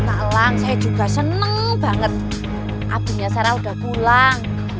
maklang saya juga seneng banget abinya sarah udah pulang